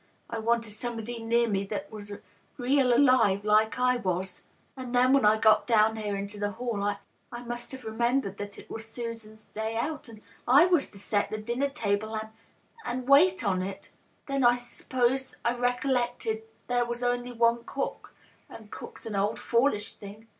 I wanted somebody near me that was real alive like I was. .. And then, when I got down here into the hall I — I must have remem bered that it was Susan's day out, and I was to set the dinner table and — and wait on it. Then I s'pose I recollected there was only cook. And cook's an old foolish thing.